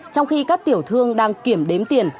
trong khi các tiểu thương đang kiểm đếm tiền